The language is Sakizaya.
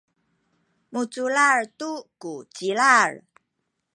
muculal tu ku cilal